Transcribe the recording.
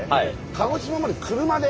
鹿児島まで車で！？